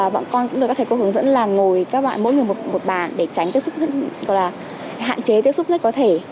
bọn con cũng được các thầy cô hướng dẫn là ngồi các bạn mỗi người một bàn để tránh tiếp xúc hạn chế tiếp xúc nhất có thể